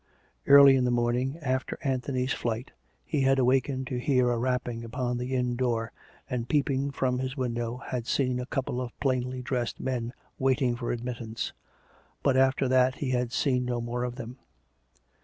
Early in the morning, after Anthony's flight, he had awakened to hear a rapping upon the inn door, and, peep ing from his window, had seen a couple of plainly dressed men waiting for admittance; but after that he had seen no more of them.